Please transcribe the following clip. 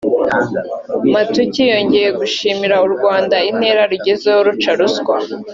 Mathuki yongeye gushimira u Rwanda intera rugezeho ruca ruswa